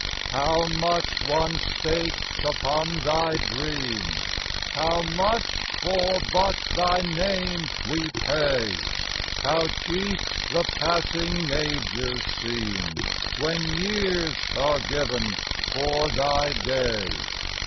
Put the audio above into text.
How much one stakes upon thy dream, How much for but thy name we pay; How cheap the passing ages seem, When years are given for thy day.